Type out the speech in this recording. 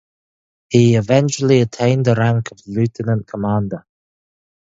He eventually attained the rank of lieutenant commander.